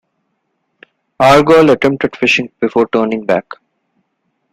Argall attempted fishing before turning back.